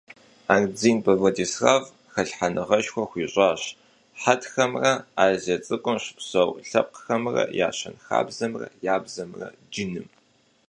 Ардзинбэ Владислав хэлъхьэныгъэшхуэ хуищӀащ хьэтхэмрэ Азие ЦӀыкӀум щыпсэу лъэпкъхэмрэ я щэнхабзэмрэ я бзэмрэ джыным.